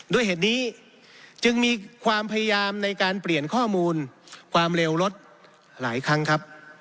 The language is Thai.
ด้วยเหตุนี้จึงมีความพยายามในการเปลี่ยนข้อมูลความเร็วรถหลายครั้งครับ